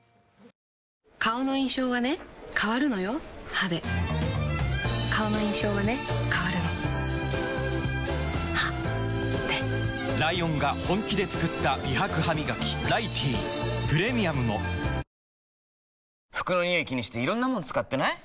歯で顔の印象はね変わるの歯でライオンが本気で作った美白ハミガキ「ライティー」プレミアムも服のニオイ気にしていろんなもの使ってない？